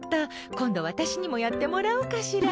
今度私にもやってもらおうかしら。